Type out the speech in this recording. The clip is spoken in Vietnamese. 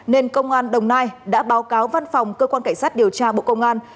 nên công an đồng nai đã báo cáo văn phòng cơ quan cảnh sát điều tra bộ công an